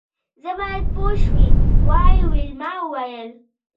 زه باید پوه شوې وای ویلما وویل